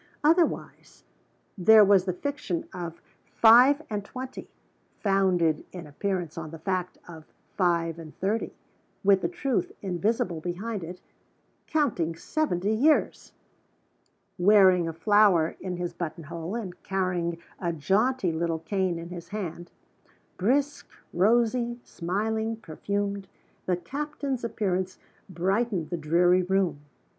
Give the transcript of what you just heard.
Otherwise there was the fiction of five and twenty, founded in appearance on the fact of five and thirty with the truth invisible behind it, counting seventy years! Wearing a flower in his buttonhole, and carrying a jaunty little cane in his hand brisk, rosy, smiling, perfumed the captain's appearance brightened the dreary room.